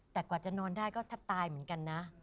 แต่กว่าจะนอนได้ก็แทบตายเหมือนกันนะ